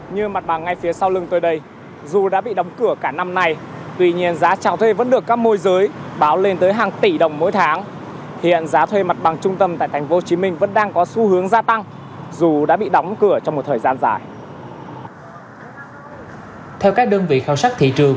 như mặt bằng ngay phía sau lưng tôi đây dù đã bị đóng cửa cả năm nay tuy nhiên giá trào thuê vẫn được các môi giới báo lên tới hàng tỷ đồng mỗi tháng hiện giá thuê mặt bằng trung tâm tại tp hcm vẫn đang có xu hướng gia tăng dù đã bị đóng cửa trong một thời gian dài